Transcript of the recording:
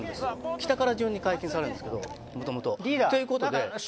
北から順に解禁されるんですけどもともと。